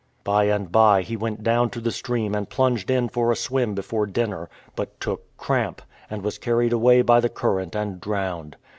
By and by he went down to the stream and plunged in for a swim before dinner, but took cramp, and was carried away by the current and drowned.